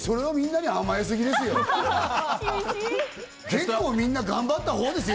結構みんな頑張ったほうですよ